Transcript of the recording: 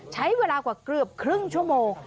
ใช้เวลากว่าเกือบครึ่งชั่วโมง